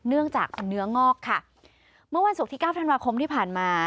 เนื่องจากเป็นเนื้องอกค่ะเมื่อวันศุกร์ที่เก้าธันวาคมที่ผ่านมา